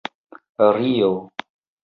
rio